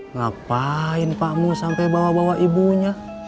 ngapain pakmu sampai bawa bawa ibunya